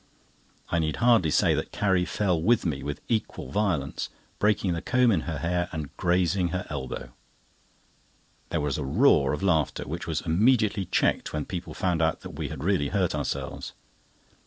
I needly hardly say that Carrie fell with me with equal violence, breaking the comb in her hair and grazing her elbow. There was a roar of laughter, which was immediately checked when people found that we had really hurt ourselves.